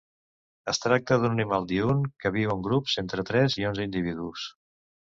Es tracta d'un animal diürn que viu en grups d'entre tres i onze individus.